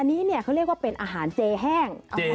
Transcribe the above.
อันนี้เนี่ยเขาเรียกว่าเป็นอาหารเจแห้ง